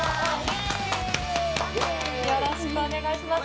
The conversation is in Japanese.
よろしくお願いします。